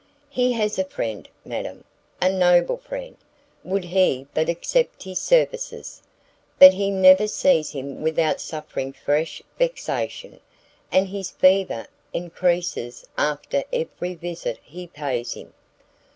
"He has a friend, madam, a noble friend, would he but accept his services; but he never sees him without suffering fresh vexation, and his fever encreases after every visit he pays him."